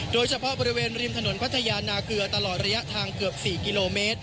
โดยเฉพาะบริเวณริมถนนพัทยานนาเกลือตลอดระยะทาง๔กม